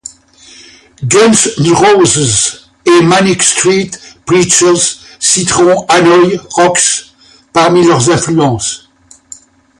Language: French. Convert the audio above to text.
Guns N' Roses et Manic Street Preachers citeront Hanoi Rocks parmi leurs influences.